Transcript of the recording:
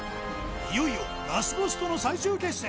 いよいよラスボスとの最終決戦